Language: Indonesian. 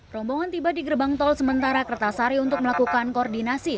rombongan tiba di gerbang tol sementara kertasari untuk melakukan koordinasi